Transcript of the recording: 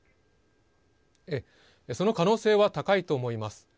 その可能性は高いと思います。